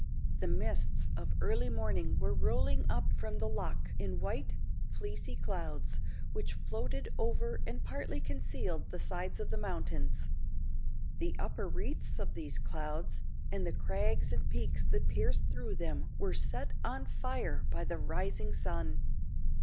The mists of early morning were rolling up from the loch in white, fleecy clouds, which floated over and partly concealed the sides of the mountains. The upper wreaths of these clouds, and the crags and peaks that pierced through them were set on fire by the rising sun.